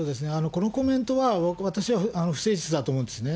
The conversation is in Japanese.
このコメントは、私は不誠実だと思うんですね。